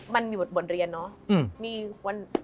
มันมีบทเรียนเนาะ